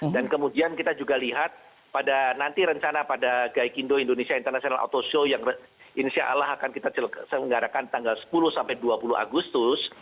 dan kemudian kita juga lihat pada nanti rencana pada gai kindo indonesia international auto show yang insya allah akan kita senggarakan tanggal sepuluh sampai dua puluh agustus